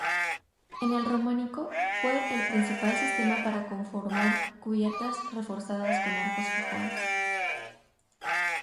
En el románico fue el principal sistema para conformar cubiertas, reforzadas con arcos fajones.